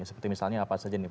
seperti misalnya apa saja nih